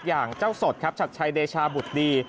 อย่างเจ้าสดครับชัดชัยเดชาบุตรดี